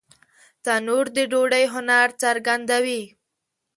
تنور د ډوډۍ هنر څرګندوي